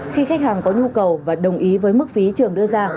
khi khách hàng có nhu cầu và đồng ý với mức phí trường đưa ra